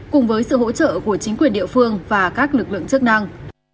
cùng với sự hỗ trợ của chính quyền địa phương và các lực lượng chức năng